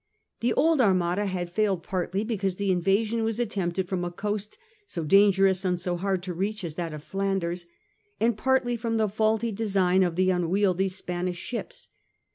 The old Armada had failed partly because the invasion was attempted from a coast so dangerous and so hard to reach as that of Flanders, and partly from the faulty design of the unwieldy Spanish ships.